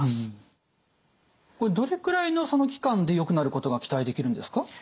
これどれくらいの期間でよくなることが期待できるんですか？